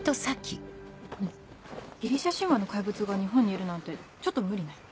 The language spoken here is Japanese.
ねぇギリシア神話の怪物が日本にいるなんてちょっと無理ない？